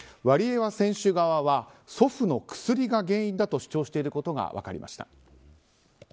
ワリエワ選手側は祖父の薬が原因だと主張していることが分かりました。